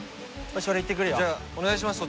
じゃお願いします